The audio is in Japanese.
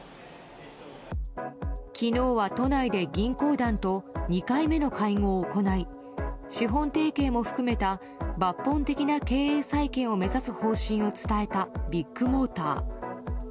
昨日は都内で銀行団と２回目の会合を行い資本提携も含めた抜本的な経営再建を目指す方針を伝えたビッグモーター。